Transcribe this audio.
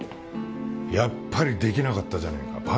やっぱりできなかったじゃねえか